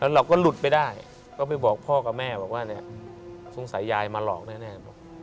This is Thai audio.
เราก็หลุดไปได้ก็ไปบอกพ่อกับแม่บอกว่าเนี่ยสงสัยยายมาหลอกแน่บอก